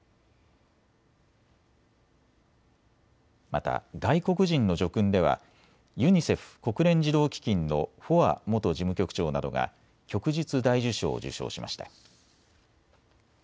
また外国人の叙勲ではユニセフ・国連児童基金のフォア元事務局長などが旭日大綬章を受章しました。